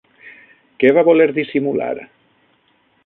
Què va voler dissimular?